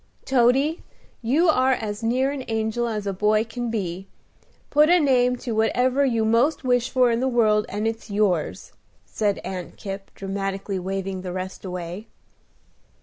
"Toady, you are as near an angel as a boy can be. Put a name to whatever you most wish for in the world, and it's yours," said Aunt Kipp, dramatically waving the rest away.